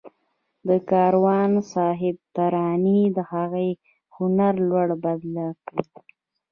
د کاروان صاحب ترانې د هغه د هنر لوری بدل کړ